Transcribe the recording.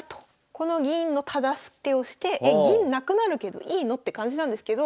この銀のタダ捨てをしてえ銀なくなるけどいいの？って感じなんですけど。